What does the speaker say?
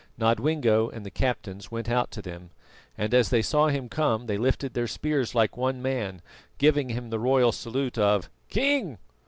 Nodwengo and the captains went out to them, and as they saw him come they lifted their spears like one man, giving him the royal salute of "King!"